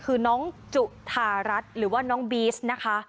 คือน้องจุธารัฐหรือว่าน้องบีสนะคะ